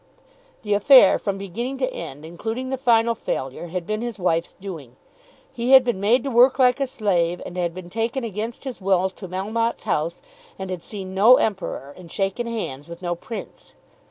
The affair from beginning to end, including the final failure, had been his wife's doing. He had been made to work like a slave, and had been taken against his will to Melmotte's house, and had seen no Emperor and shaken hands with no Prince!